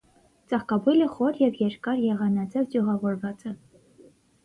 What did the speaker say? Ծաղկաբույլը խոր և երկար եղանաձև ճյուղավորված է։